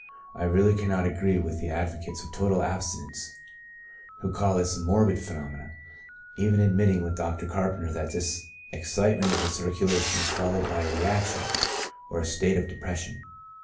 I really can not agree with the advocates of total abstinence, who call this a morbid phenomenon, even admitting with Dr. Car penter that this excitement of the circulation is followed by a reaction, or a state of depression.